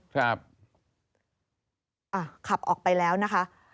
ขับออกไปแล้วนะคะ